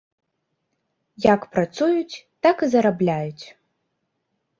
Як працуюць, так і зарабляюць.